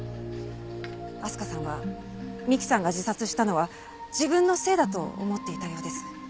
明日香さんは美希さんが自殺したのは自分のせいだと思っていたようです。